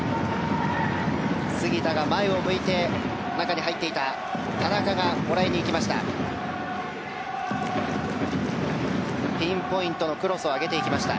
杉田が前を向いて中に入っていた田中がもらいに行きました。